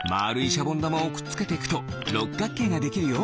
シャボンだまをくっつけていくとろっかくけいができるよ。